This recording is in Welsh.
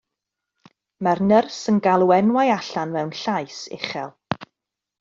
Mae'r nyrs yn galw enwau allan mewn llais uchel.